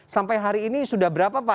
sampai hari ini sudah berapa pak